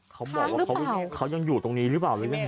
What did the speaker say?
เขาบอกว่าเขายังอยู่ตรงนี้หรือเปล่าหรือยัง